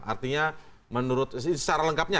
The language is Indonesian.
artinya menurut secara lengkapnya